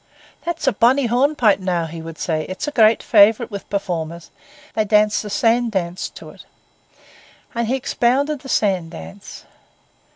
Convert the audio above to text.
'That's a bonny hornpipe now,' he would say, 'it's a great favourite with performers; they dance the sand dance to it.' And he expounded the sand dance.